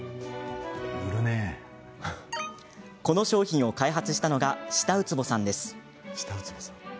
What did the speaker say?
この商品を開発したのが下苧坪さんです。